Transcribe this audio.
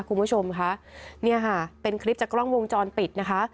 คุณผู้ชมค่ะเนี่ยค่ะเป็นคลิปจากกล้องวงจรปิดนะคะ